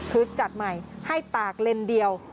คือจัดใหม่ให้ตากเลนเดียว